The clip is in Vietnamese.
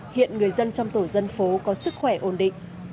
hiện người dân trong tổ dân phố có sức khỏe ổn định